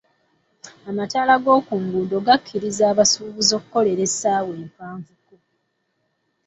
Amataala g'oku nguudo gakkiriza abasuubuzu okukolera essawa empavuko.